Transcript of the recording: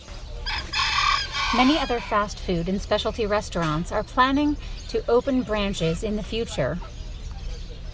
Many other fastfood and specialty restaurants are planning to open branches in the future.